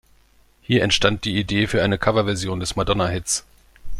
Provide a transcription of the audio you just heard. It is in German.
Hier entstand die Idee für eine Coverversion des Madonna-Hits.